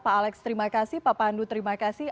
pak alex terima kasih pak pandu terima kasih